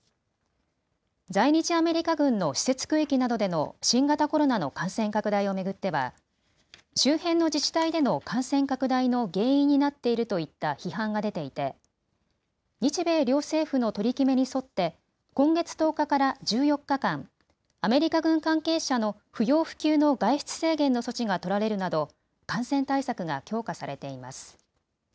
在日アメリカ軍の施設区域などでの新型コロナの感染拡大を巡っては周辺の自治体での感染拡大の原因になっているといった批判が出ていて日米両政府の取り決めに沿って今月１０日から１４日間、アメリカ軍関係者の不要不急の外出制限の措置が取られるなど感染対策が強化されています。